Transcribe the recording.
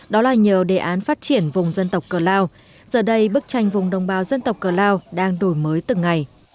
đó là nhờ đề án phát triển vùng dân tộc cờ lao giờ đây bức tranh vùng đồng bào dân tộc cờ lao đang đổi mới từng ngày